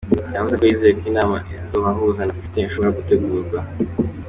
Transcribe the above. Yavuze ko yizeye ko inama izobahuza na Putin ishobora gutegurwa.